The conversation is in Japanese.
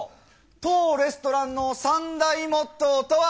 当レストランの３大モットーとは？